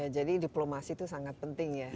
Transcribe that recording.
jadi diplomasi itu sangat penting ya